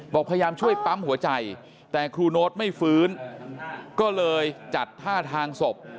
พยายามช่วยปั๊มหัวใจแต่ครูโน๊ตไม่ฟื้นก็เลยจัดท่าทางศพ